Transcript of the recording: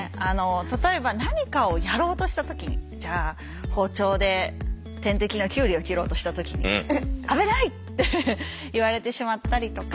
例えば何かをやろうとした時にじゃあ包丁で天敵のきゅうりを切ろうとした時に「危ない！」って言われてしまったりとか。